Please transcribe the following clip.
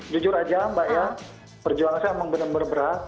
jujur aja mbak ya perjuangan saya memang benar benar berat